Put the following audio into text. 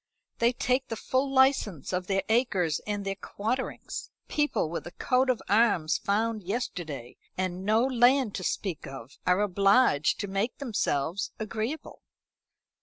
They take the full license of their acres and their quarterings. People with a coat of arms found yesterday, and no land to speak of, are obliged to make themselves agreeable."